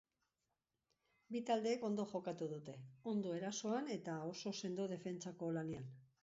Bi taldeek ondo jokatu dute, ondo erasoan eta oso sendo defentsako lanean.